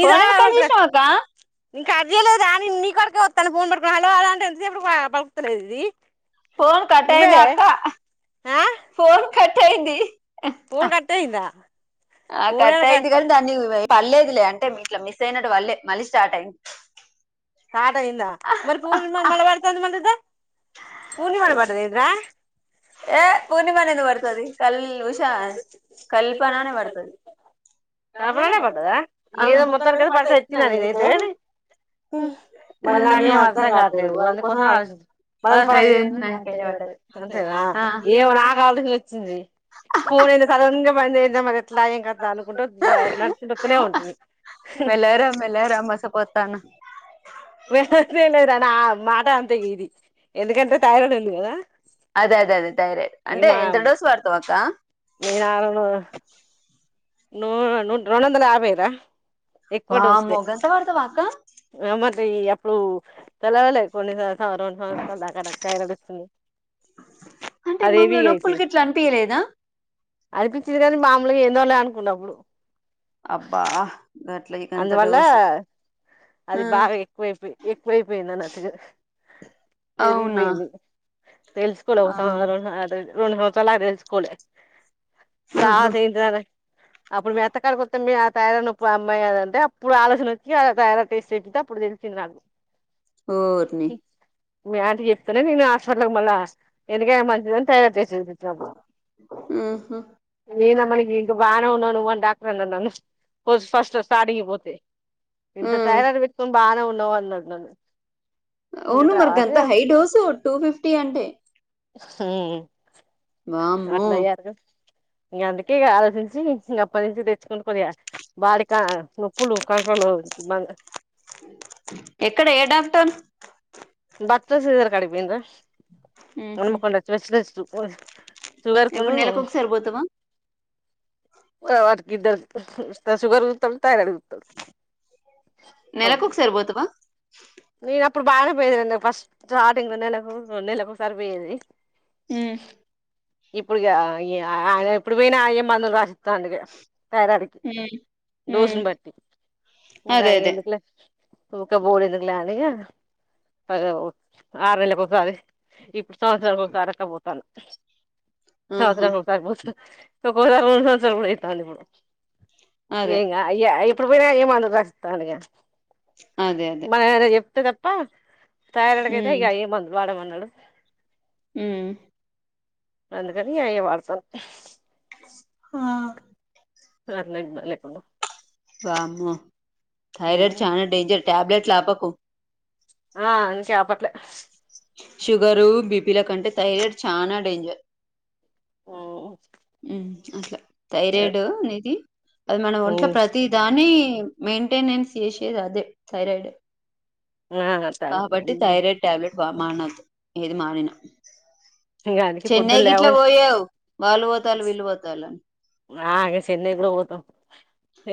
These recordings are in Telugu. ఫోన్ ఎంత కాల్ చేసినావాకా కర్జయలేదు అని ఇ నీ కడికే వస్తాను ఫోన్ పడుకు హలో అలాంటిే ఎంతసేపుడు పడుకుతలేదు ఇది ఫోన్ నువ్వే కట్టాయిందా అక్క ఆ ఫోన్ కట్టైంది ఫోన్ కట్ అయిందా ఆ ఫోన్ ఏడ కట్టయిది కా తన్నియి పర్లేదులే అంటే మీ ఇట్లా మిస్ అయినట్టు వళ్లే మళ్ళీ స్టార్ట్ అయింది సాటంద మరి పూర్ణిమ మ బతంది మరి పూర్ణి పడ్ది ఏ పూర్ణిమానే ఎందుకు పడుతది కల్ ఉషా కల్పనానే పడుతది పద ఏదో మత్త క పడతా ఇ ఆ మరి నాకేం అర్థం కాాలట్లేదు అళ కోసం అే ఫస్ట్ ఏో నా కాళ్ళ వచ్చింది ఫోన్ అయి సడన్ గా బంద అందా మ ఎట్లాం కదా అనుకుంటూ నడుచస్తనే ఉంటుంది మెల్లగరా మెల్లగరా మోసపోతాను వస్తే లేదాని ఆ మాట అంతే ఇది ఎందుకంటే తైరాయిడ్ ఉంది కదా అదే అదేదే ధైర్యయం ఈ అంటే మా ఎంత డోస్ పడుతా త నేను ఆరను నూ న రూం వందల యాభైద వామ్మో గంత వాడుత వాక్క ఈ అప్పుడు తెలవలే కొన్నిసార్ అ రెండు సంవత్సరాల దాక నాకు థైరాయిడ్ వచ్చింది అంటే అది హెవీ మామూలు నొప్పులు అయిపోయింది గిట్లా అనిపియలేదా అనిపిచ్చింది గాని మాములుగా ఎందోలే అన్ కున్నప్పుడు అబ్బా గట్ల గంత అందువల్ల డోసు ఆ అది బాగా ఎక్కువైపోయి ఎక్కువైపోయింది అన్నటుగా అవునా పెరిగిపోయింది తెలుసుకోలే ఒక అవును. సంవసరం రెండు సంవసరం రోండు సంవత్సరాల దాక తెలుసుకోలే ఆహా త్రవాత ఏంటిదనే అప్పుడు మీ అత్తక్కడికొత్తే మీ ఆ థైరాయిడ్ నొప్పు అం మ్మాయి కాదు అంటే అప్పుడు ఆలోచన వచ్చి తరయడ్ టేస్ట్ చేపిత్తే అప్పుడు తెలిసిింది నాకు ఓర్నీ మీ ఆంటీ చెప్తనే నేను హాస్పాట్లకు మళ్ళా ఎందుకైన మంచిదని థైరాయిడ్ టెస్ట్ ఆహా నేనా మన ఇంక బానే ఉన్నావ్ నువ్వు అని డాక్టర్ అన్నాడు నన్ను ఓస్ ఫస్ చొ సాడియి పోతే ఇంత ఉమ్ థైరాయిడ్ పెట్టుకొని బాగానే ఉన్నావు అన్నడు నన్ను ఇంకా అవును తర్వాత మర్గంత హై డోసు టూ ఫిఫ్టీ అంటే ఉం వామ్మో ఇంగ అందుకే ఇగ ఆలోచించి ఇంగ అప్పటి నుంచి తెచ్చుకునుడు కొద్దిగా బాడీ అ నొప్పులు కంట్రోలు మ ఎక్కడ ఏ డాక్టర్ భక్త సిదర్ కాడికి పోయిన రా అన్మకొండ స్పెషలిస్ట్ ఓజ్ ఎప్పుడు నెలకొకసారి పోతావా వాట్కిద్దర్ షుగర్ సుత్తడు థైరాయిడ్ సుత్తడు అవు నెలకు ఒకసారి పోతావా ఇప్పుడు బాగా బెదిరింది ఫస్ట్ స్టార్టింగ్ నెలకు నెలకు ఒకసారిపోయేది ఉం ఇప్పుడు ఇగ అ ఎప్పుడు పోయినా అయ్యే మందులు రాసి త్తాండిగ థైరాయిడ్ కి ఉమ్ డోస్ ఉమ్ ని బట్టి ఇంగ అదే అదే ఎందుకు లే ఊకె బోవుడేందుకు లే అని ఇగ పదో ఆరు నెల్లకిఒసారి ఇప్పుడు సంవత్సరానికి ఒకసారి అట్లపోతాన సదర ఆహా ఉగబోతు ఒక సంవత్సర కూడాడ అయిత అంది కూడాడు అదే ఏంగా అయ్య ఇప్పుడు పోయినా ఏమ అందుకస్త అందుగా అదే అదే బ చె త్త తప్ప తయడగైయితే ఈ అయి బంద బాడ మంది హలో అ అందుకనీ అయ వాళ్సలు ఆ ఆ [unintelligible] లేకుండ బమ థైరాయిడ్ చా డెంజర్ టాబ్లెట్లు ఆపకు ఆం చేపట్లే షుగరు బీపీల కంటే థైరాయిడ్ చాలా డేంజర్ ఆ అసలు థైరాయిడ్ అనేది అది మనం ఒంట్లో ప్రతి దాని మెయింటెనెన్స్ చేషేది అదే థైరాయిడ్ ఆ త మ ఏది మారనా ఇంగ అందుకే పొద్దున చెన్నైకి ఇట్లా లేవగానే పోయావు వాళ్ళు పోతారు వీళ్ళు పోతారు అని ఆ ఇగ చెన్నై కూడా పోతాం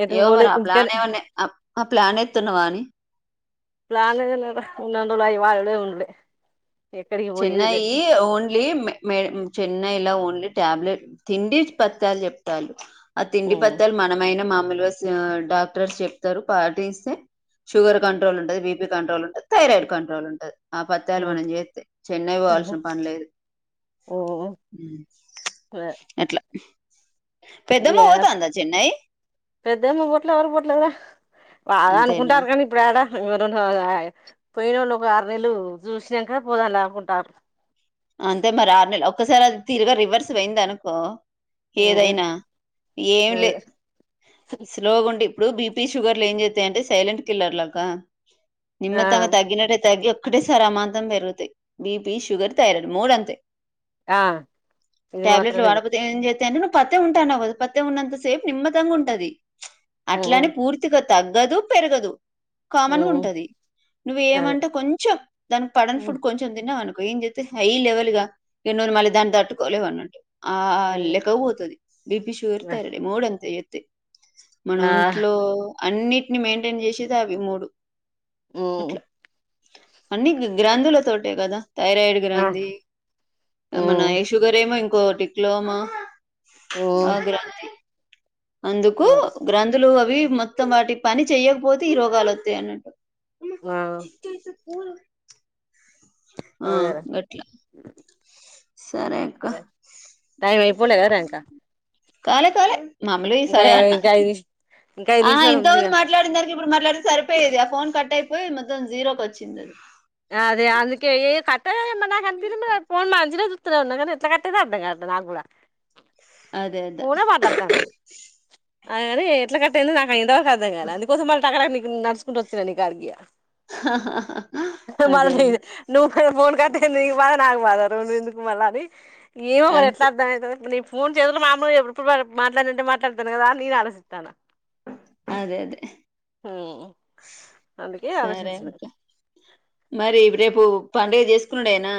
ఎటు ఏమో పోలే మరి ఆ ప్లాన్ ఇంటికానే ఏమన్నా ఆ ప్లాన్ ఎతున్నావా అని పలానే ఉన్నందలోయి వాళ్ళలే ఉండలే చెన్నై ఓన్లీ మ చెన్నలా ఓన్లీ టాబ్లెట్ తిండి పచ్చాలు చెప్తాలు ఆ తిండి పత్తాలు మనమైన మామూలు డాక్టర్స్ చెప్తారు పాటిస్తే షుగర్ కంట్రోల్ ఉంటది బిపీ కంట్రోల్ ఉంటుది థైరాయిడ్ కంట్రోల్ ఉంటది ఆ పత్యలు మనం చేతే చెన్నై పోవాల్సిన పని లేదు అట్లా పెద్దమ్మ స్ పోతాందా చెన్నై పెద్దమ్మ బొట్లు ఎవరి బొట్లుదా బాద అంతేనా అనుకుంటారు కానీ ఇప్పుడు ఏద రెండు పోయిన వాళ్ళు ఒక ఆరు నెలలు చూసినాక పోదాం లేకుంటారు అంట మరి ఆ న ఒకసారి అది తిరిగా రివర్స్ అయింది అనుకో ఉమ్. ఏదైనా ఏం లే అదే స్లోగా ఉండి ఇప్పుడు బీపీ షుగర్లు ఏం చేస్తాయంటే సైలెంట్ కిల్లర్ లాగా ఆ నిమ్త్ంగా తగ్గినట్టే తగగి ఒకక్కటే సారి అమాంతం పెరుగుతాయి బిపి షుగర్ ఎరడు మూర అంతే ఆ ఇది టెబ్లేట్ మాత్రం వాళు బ ఏత ఎంచేతే పత్ె ఉంటానువ పత్త్తె ఉన్నంత సేపు నిమ్మదంగా ఉంటది అట్లా నిజం అని పూర్తిగ్ తగ్గదు పెరగదు కామన్ గా హ్మ్ ఉంటది నువ్వు అదే ఏమంటే కొంచెం దాన్ పడని హ్మ్ ఫుడ్ కొంచెం తిన్నావు అనుకో ఏం చేస్తే హై లెవెల్ గా మళ్ళీ దాన్ని తట్టుకోలేవా అన్నట్టు ఆ హ్మ్ లేక్క పోవుతది బిపి షుగర మూడు అంతే ఎ మన ఆ ఒంట్లో అన్నిటిని మెయింటైన్ చేసేది అవి మూడు ఓ అన్నీ గ్రంథుల తోటే కదా తయారై ఆ గ్రంథి మన హ్మ్ ఈ షుగర్ ఏమో ఇంకోటి క్లోమ హ్మ్ ఆగ్రాంత్ అందుకు అదే. గ్రంథులు అవి మొత్తం వాటి పని చెయకపోతే ఈ రోగాలు వస్తాయి అన్నట్టు ఆ ఆ అదేరా గట్లా సరే అక్క అదే టై అయిపోలేద రా ఇంకా కాలే కాలే మామేలే ఈ ఇంకా సరే అన్న ఇంకా ఐదు నిమి ఇంకా ఐదు ఆ నిమిషాలు ఉందిగా ఎంతోమంది మాట్లాడింద ఇప్పుడు మాట్లాడితే సరిపోయేది ఆ ఫోన్ కట్ అయిపోయి మొత్తం జీరోకి వచ్చింది అదే అందుకే ఏ కట్ ఏయ్ నాకి అనిపియ్యలే ఫోన్ మంచిదే [inaudible] గానీ ఎట్లా కట్ అయిందో అర్థం కావట్లే నాకు కూడా అది అదే అదే ఫోన్ ఏ మాట్లాడుతన్న అగాని ఎట్లా కట్టయిందో నాక అయిందో అర్థం గాల అందుకోసం మళ్ళ టాక నడుచుకుంటూ వచ్చానా నీ గాడికి ఇగ అదే అదే మళ్ళీ నువ్వు ఫోన్ కట్ అయింది నీకు బాధ నాకు బాధ రెండు ఎందుకు మళ్ళ అని ఏమో మరి ఎట్ల అంతే అర్థంమయితదో నీ ఫోన్ చేతుల్లో ఇప్పుడు మాట్లాడింటే మాట్లాడతాను కదా నేను ఆలోచిస్తాన్న అదే అదే ఉమ్ సరే ఓకే మరి రేపు పడుగ చేసుకునుడు ఏనా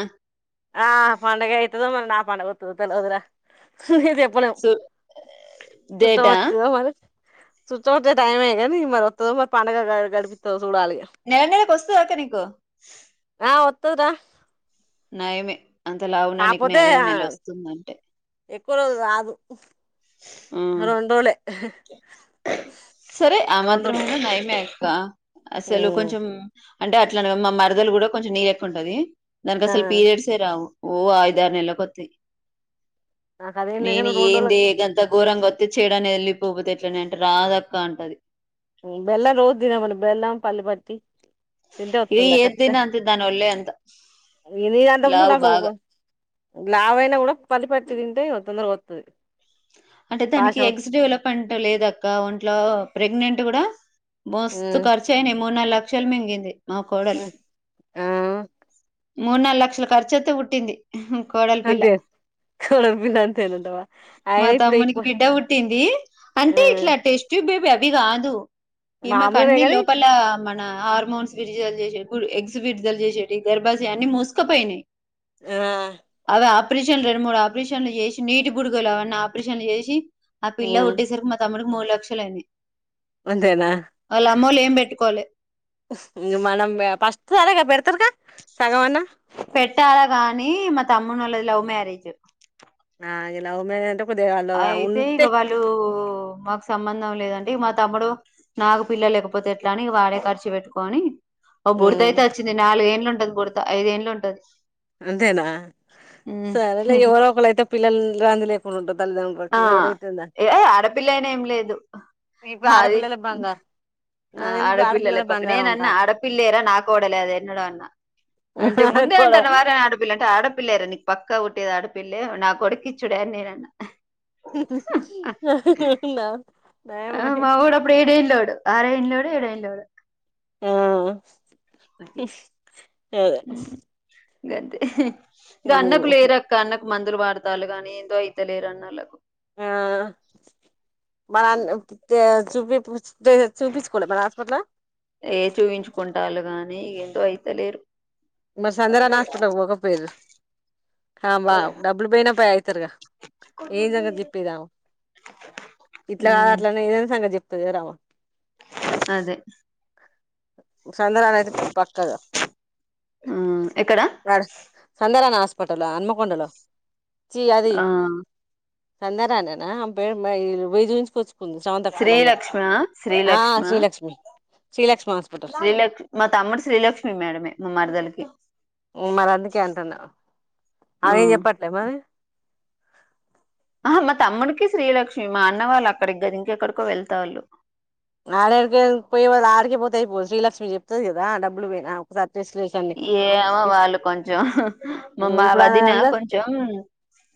ఆ పండగ అయితే మరి నా పండగ ఒత్తదొ తెల్వదు రా చెప్పలేం సుట్ట డేటా వస్తుంద మరి చూచాం టైమ్ అయ్యా గానీ మరి వత్తదో మరి పండగా గడుపుతదొ నెల నెలకు వస్తదా అక్క నీకు వస్తది రా నయమే అంత లావున నీకు కాకపోతే నెల నెల వస్తుందంటే ఎక్కువ రోజులు రాదు ఆ రెండు రోజులే సరే ఆ రెండు మాత్రం అన్న నయమే కా అసలు కొంచెం అంటే అట్లానే మా మరదలు కూడా కొంచెం నీ లెక్క ఉంటది దానికి అసలు పీరియడ్స్ ఏ రావు ఓ అయిదారు నెలకు ఒత్తయి నాకు అదేం లేక నేను రెండు ఏం రోజులు దేగంతా గోరంగ వత్తిచ్చేడన వెళ్ళి పోపతే ఎట్లనే అంటే రాదక్క అంటది. బెల్లం రోజు దిన మను బెల్లం పల్లి పట్టి తింటే ఇది వత్తదిరా ఏద్ దిన్న ఖచ్చితంగా అంత దాని ఒళ్లే అంత నీ అంత ముందు లావ్ నాకు భాగా లావైనా కూడా పల్లిపట్టి తింటే తొందరగా వతది అంటే దానికి ఎగ్స్ డెవలప్మెంట్ లేదక్క ఒంట్లో ప్రెగ్నెంట్ కూడా మస్తు ఉమ్ కర్చాయినయ్ మున్నల్లక్షలు మింగింది. మా కోడల్ ఉమ్, ఆ మునలలక్షల ఖర్చు అత్తే వుట్టింది. కోడలి పిల్ల అంతే కోడలి పిల్ల అంతేనంటవా మా ఆయన ఇప్పుడు తమ్మునికి ఎక్కువ బిడ్డ పుట్టింది. ఆ అంటే ఇట్లా టేస్ట్ ట్యూబ్ అది అవి కాదు. ఈమెకు మామూలునే అన్నీ గాని లోపల మన హార్మోన్స్ విడుదల చేసేటీవీ ఎగ్స్ విడుదల చేసేటీయి దరవాజే అన్ని మూసుకొపోయినాయి. ఆ అవి ఆపరేషన్ రెండు మూడు ఆపరేషన్లు ఆపరేషన్లు చేసి నీటి బుడుగలు అవన్నా ఆపరేషన్లు ఏషి అ పిల్ల ఉమ్ పుట్టే సరికి మా తమ్ముడు మూడు లక్షలు అయింది. వాళ్ళ అమ్మళ్ళు ఏం బేట్టుకోలే ఉఫ్ మనం బ ఫస్ట్ ఉ అలాగా పేర్ఫ్ సగవన్నా నీ మా తమ్మునీ ఒళ్ళది లవ్ మరేజ్ అ ఇగ లవ్ మ్యారేజ్ అంటే కొద్దిగా వాళ్ళు అయితే ఉంటే ఇగ వళ్ళు ఊ మాకు సంబంధం లేదండి. మా తమ్ముడు నాకు పిల్లలేకపోతే ఎట్లా అని వాడే ఖర్చు పెట్టుకొని ఓ బుడత ఉమ్ అయితే వచ్చింది. నాలుగు ఏండ్లు ఉంట్ ఉంటది బుడత ఐదేండ్లు ఉంటది. అంతేనా సర్లే ఎవరోక్కళయితే పిల్లల్ రండి లేకుండా ఉంటది తీయ్ ఆ ఏ ఆడపిల్లయినా ఏం లేదు ఇప్పుడు అది ఆడపిల్లలే బంగారు ఆ నాకు తెలిసి ఇప్పుడు అడపిల్లలే ఆడపిల్లలే పక్క బంగారం నేను అన్న అంటారు ఆడపిల్లేన నా కోడలే అది ఎన్నోడ అ అంటే ముందే కూడా అంటన్నవారే ఆడపిల్ల అంటే ఆడ పిల్లా నీకు పక్కా ఉట్టేది ఆడపిల్లే నా కొడకిచ్చుడా అని నేనన్న [unintelligible] అవునా అ మావోడు అప్పుడ ఏడు ఏళ్ళు ఆరెంలోడు ఏడేండ్లేడు ఆ పది అదే గంతే ఇక అన్నకు లేరు అక్క అన్న మందులు వాడుతూనారు కానీ ఏందుో అయితే లేరు అన్నకు ఆ మ చుపి ఆమని చూపించుకోలేక హాస్పిటల్లో ఎందు అయితలేరు మరి సందరాని హాస్పిటల్కి పోకపోయారు బా డబ్బులు పోయినా పోయి అవుతారుగా ఏం సంగ చెప్పేదా ఇట్లా కాదు ఉమ్ అట్లనే సంగ చెప్ప రావ అదే సంధరాాలయితే పక్కగా ఎక్కడ హాస్పిటల్ అన్మకొండలో [unintelligible] చెయ్ అది ఆ సందారానేనా ఆ పేరు మీరు చూపించకు ఉండేది శ్రీ క్ష్మ ఆ శ్రీలక్ష్మ శ్రీలక్ష్మి శ్రీలక్ష్మి హాస్పిటల్ శ్రీలక్ష్మి మేడం మా తమ్ముడి మరదలే అ [unintelligible] మరి అందుకే అంటున్నా అదేం ఉమ్ చెప్పట్లే మరి ఆ మా తమ్ముడికి శ్రీలక్ష్మి మా అన్న వాళ్ళు అక్కడి్ర ఇంకెక్కడికో వెళ్తా వాళ్ళు ఆడడిక పోయేళ్ ఆడికే పోతాయి పో శ్రీలక్ష్మి చెప్తుంది కదా డబ్బులు పోయినా ఒకసారి టెస్ట్లు చేసండి ఏమో వాళ్ళు కొంచెం మా మా ఇప్పుడు వదిన అందరు కొంచెం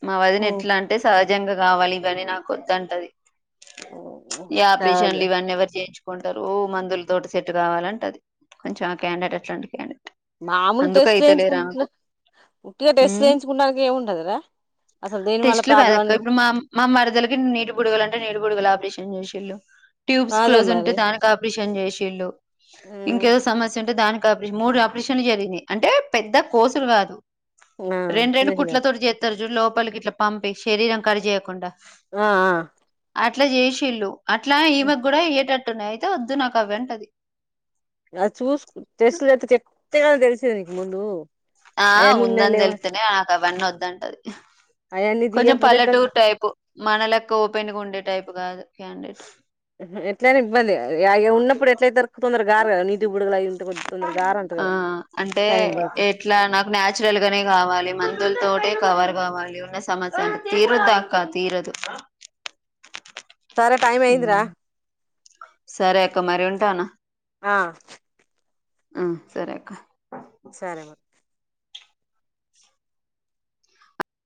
మా వదిన ఎట్లా అంటే స నిజంగా కావాలి ఇవని నా వద్ద్దంటది ఈ ఆపరేషన్లు ఇవన్నీ ఎవరు చేపించుకుంటారు వాళ్లేమంటారు మందుల తోటి సట్ కావాలంటే అది కొంచెం ఆ క్యాండెట్ అట్లాంటి క్యాండెట్ మామూలు అందుకు టెస్ట్ అయితేలే రాకు చేయించుకుంటున్నా ఉట్టిగా టెస్ట్ మ్మ్ చేయించుకుంటానికి ఏముంటదిరా అసలు దేని వల్ల టెస్ట్లు ప్రాబ్లం గాడక్క అని ఇప్పుడు మా మా మరదలకి నీటి బుడగలు అంటే నీటి బుడుగులు ఆపరేషన్ చేసి వీళ్లు ట్యూబ్స్ అదే క్లోస్జ్ ఉంటే మరి దానికి ఆప్రిషన్ ఎమ్ జేషీల్లు ఇంకేదో సమస్య ఉంటే దానిక్ కాప్రిష్ మూడు అప్ ప్రేషన్ జరిగింది అంటే పెద్ద కోసులు కాదు ఆ రెండ్ చిన్న రెండ్ల చిన్న కుట్లాతోటి జేస్తార్ లోపలికి ఇట్లా పంపి శరీరం కర్జ్ జేయకుండా ఆ ఆ అట్లా చేసిల్లు అట్లా ఈమెక్ కూడా అయేటట్ టునైయితే వద్దు నాకు అవంటది ఆ చూస్ టెస్ట్ [unintelligible] తేడా తెలిసిందా నీక్ ముందు ఆ అవన్నీ ఉన్నాయి ఉందని లేవ తెలుత్తానే నాకవన్నీ వద్ దంటది అవన్నీ కొంచెం తీయకపోతే ఎట్లా పల్లెటూరు టైపు మన లెక్క ఓపెన్గా ఉండే టైప్ ఉగాదు క్యాడిస్ ఎట్లనా ఇబ్బంది యాయి ఉన్నప్పుడు ఎట్లైతరు తొందర గారు కదా నీతి బుడుగులు అయి ఇంత కొద్ది తొందరగా గారంట కదా టైం పడతది ఇలా నాకు నాచురల్ గానే కావాలి మందుల్తోటే కవర్ కావాలి ఉన్న సమస్యలు తీరుదక్క తీరదు సరే టైమ్ అయింది రా సరే అక్క మరి ఉంటానా ఆ హ్మ్ సరే అక్క సరే మా